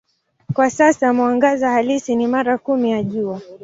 Kwa sasa mwangaza halisi ni mara kumi ya Jua.